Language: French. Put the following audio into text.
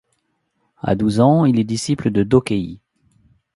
À douze ans il est disciple de Dokei.